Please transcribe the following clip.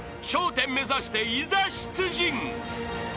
１０目指していざ出陣］